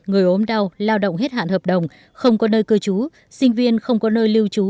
người ốm đau lao động hết hạn hợp đồng không có nơi cư trú sinh viên không có nơi lưu trú